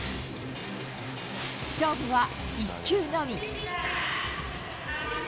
勝負は１球のみ。